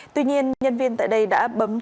tuy nhiên nhân viên tại đây đã bấm truyền